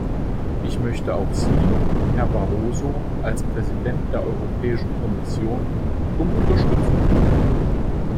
Ich möchte auch Sie, Herr Barroso, als Präsident der Europäischen Kommission um Unterstützung bitten.